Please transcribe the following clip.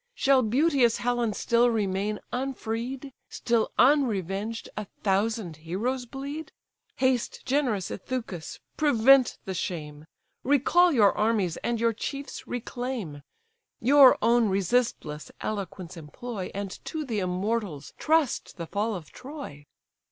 Shall beauteous Helen still remain unfreed, Still unrevenged, a thousand heroes bleed! Haste, generous Ithacus! prevent the shame, Recall your armies, and your chiefs reclaim. Your own resistless eloquence employ, And to the immortals trust the fall of Troy."